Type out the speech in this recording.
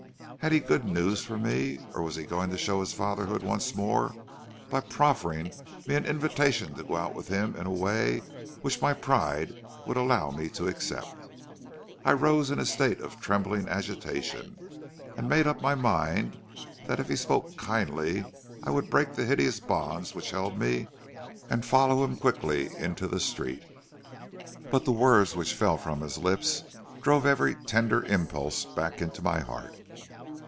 Had he good news for me, or was he going to show his fatherhood once more by proffering me an invitation to go out with him in a way which my pride would allow me to accept? I rose in a state of trembling agitation, and made up my mind that if he spoke kindly I would break the hideous bonds which held me and follow him quickly into the street. "But the words which fell from his lips drove every tender impulse back into my heart.